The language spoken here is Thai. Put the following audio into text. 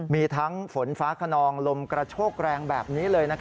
มีทั้งฝนฟ้าขนองลมกระโชกแรงแบบนี้เลย